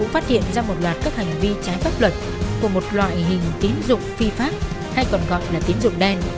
phát hiện ra một loạt các hành vi trái pháp luật của một loại hình tín dụng phi pháp hay còn gọi là tín dụng đen